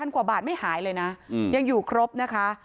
กว่าบาทไม่หายเลยนะยังอยู่ครบนะคะ